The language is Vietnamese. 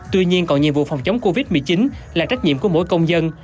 tuy nhiên còn nhiệm vụ phòng chống covid một mươi chín là trách nhiệm của mỗi công dân